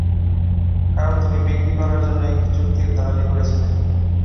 কারণ তুমি বিক্রি করার জন্য একটি চুক্তির দালালি করেছিলে।